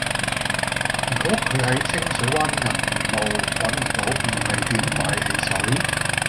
如果佢喺清水灣銀巒路搵唔到便利店買汽水